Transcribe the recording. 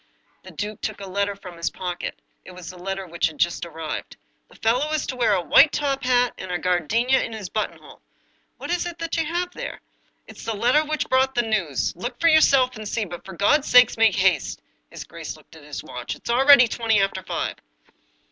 " The duke took a letter from his pocket — it was the letter which had just arrived. " The fel low is to wear a white top hat, and a gardenia in his buttonhole." " What is it you have there ?"" It's the letter which brought the news — look for your self and see ; but, for God's sake, make haste !" His grace glanced at his watch. " It's already twenty after five."